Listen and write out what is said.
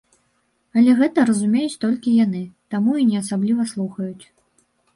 Але гэта разумеюць толькі яны, таму і не асабліва слухаюць.